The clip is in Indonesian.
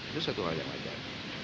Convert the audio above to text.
itu satu hal yang wajar